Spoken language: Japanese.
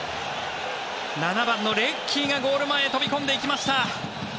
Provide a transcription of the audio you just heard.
７番のレッキーがゴール前に飛び込んでいきました。